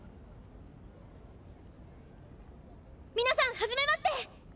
皆さんはじめまして！